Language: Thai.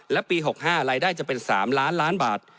และปี๖๕รายได้จะเป็น๓ล้านล้านบาท